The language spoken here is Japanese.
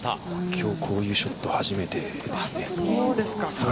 今日こういうショットは初めてです。